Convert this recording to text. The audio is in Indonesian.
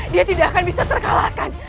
dia tidak akan bisa terkalahkan